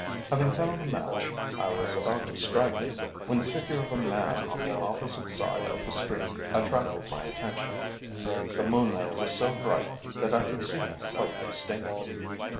Having found a match, I was about to strike it, when the figure of a man on the opposite side of the street attracted my attention. The moonlight was so bright that I could see him quite distinctly.